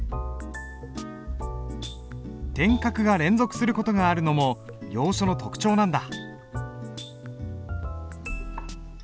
点画が連続する事があるのも行書の特徴なんだ。